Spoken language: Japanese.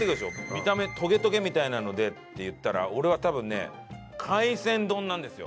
見た目トゲトゲみたいなのでっていったら俺は多分ね海鮮丼なんですよ。